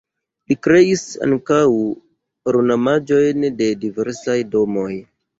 Li kreis ankaŭ ornamaĵojn de diversaj domoj.